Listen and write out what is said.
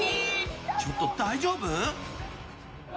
ちょっと大丈夫？